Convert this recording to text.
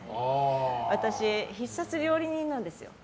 私、必殺料理人なんですよ。